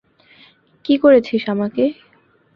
কী করেছিস আমাকে?